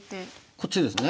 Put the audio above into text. こっちですね。